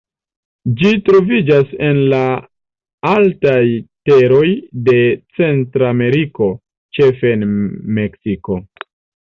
Ĝi troviĝas en la altaj teroj de Centrameriko, ĉefe en Meksiko.